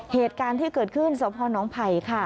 เหตุการณ์ที่เกิดขึ้นสพนไผ่ค่ะ